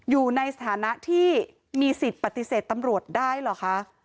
อยู่ในสถานะที่มีสิทธิ์ปฏิเสธตำรวจได้เหรอคะ